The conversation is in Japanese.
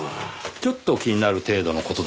ちょっと気になる程度の事だったので。